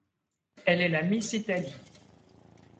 Elle est la Miss Italie.